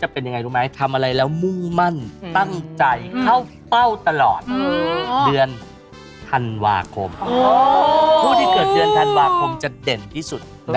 แหละแหละแหละแหละแหละแหละแหละแหละแหละแหละแหละแหละแหละแหละ